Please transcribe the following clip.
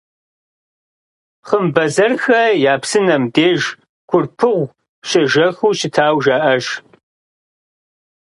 «Хъымбэзэрхэ я псынэм» деж Курпыгъу щежэхыу щытауэ жаӏэж.